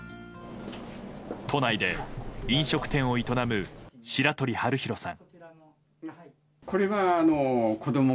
都内で飲食店を営む白鳥晴弘さん。